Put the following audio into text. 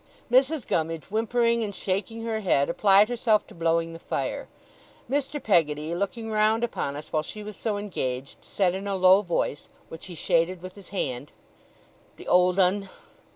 Mrs. Gummidge, whimpering and shaking her head, applied herself to blowing the fire. Mr. Peggotty, looking round upon us while she was so engaged, said in a low voice, which he shaded with his hand: 'The old 'un!